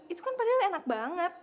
itu kan padahal enak banget